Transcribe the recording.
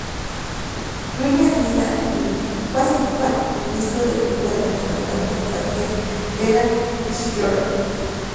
Julian Nida-Rümelin fue asimismo ministro de cultura durante el mandato del canciller Gerhard Schröder.